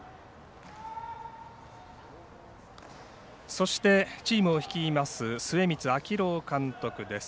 そして、チームを率います末光章朗監督です。